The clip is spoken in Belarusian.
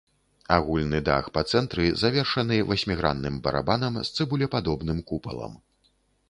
Агульны дах па цэнтры завершаны васьмігранным барабанам з цыбулепадобным купалам.